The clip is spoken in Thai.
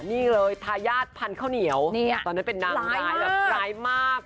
นี่เลยทายาทพันธุ์ข้าวเหนียวตอนนั้นเป็นนางร้ายแบบร้ายมาก